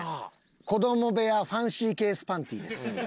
子ども部屋ファンシーケースパンティです。